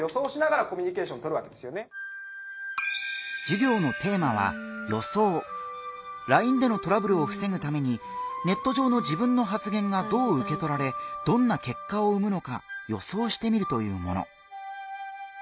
授業をしてくれるのはＬＩＮＥでのトラブルをふせぐためにネット上の自分の発言がどううけとられどんな結果を生むのか予想してみるというもの。